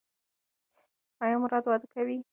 ایا مراد واده کوي؟